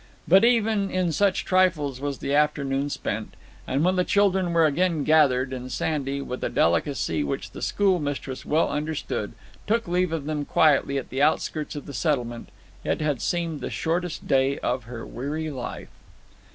But even in such trifles was the afternoon spent; and when the children were again gathered, and Sandy, with a delicacy which the schoolmistress well understood, took leave of them quietly at the outskirts of the settlement, it had seemed the shortest day of her weary life.